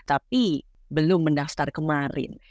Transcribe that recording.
tapi belum mendaftar kemarin